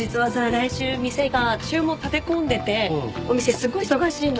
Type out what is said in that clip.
来週店が注文立て込んでてお店すごい忙しいの。